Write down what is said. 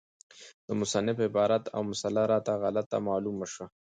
د مصنف عبارت او مسأله راته غلطه معلومه شوه،